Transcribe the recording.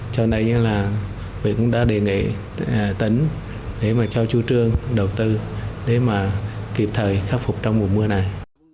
cho nên là huyện cũng đã đề nghị tỉnh để mà cho chủ trương đầu tư để mà kịp thời khắc phục trong mùa mưa này